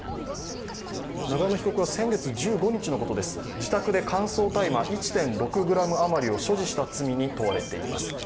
永山被告は先月１５日のことです、自宅で乾燥大麻１．６ｇ余りを所持した罪に問われています。